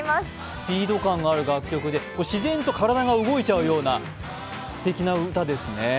スピード感がある楽曲で自然と体が動いちゃうようなすてきな歌ですね。